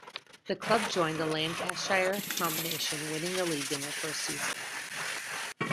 The club joined the Lancashire Combination, winning the league in their first season.